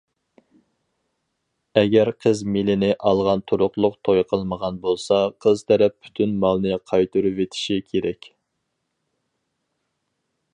ئەگەر قىز مېلىنى ئالغان تۇرۇقلۇق توي قىلمىغان بولسا، قىز تەرەپ پۈتۈن مالنى قايتۇرۇۋېتىشى كېرەك.